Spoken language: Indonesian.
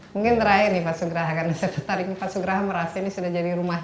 mungkin terakhir nih pak sugraha karena saya tadi pak sugraha merasa ini sudah jadi rumah